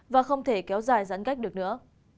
và không thể kéo dài giãn cách được nữa